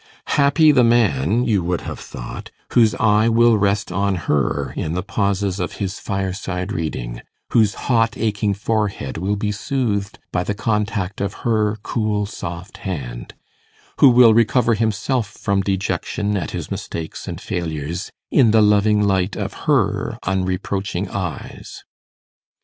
Happy the man, you would have thought, whose eye will rest on her in the pauses of his fireside reading whose hot aching forehead will be soothed by the contact of her cool soft hand who will recover himself from dejection at his mistakes and failures in the loving light of her unreproaching eyes!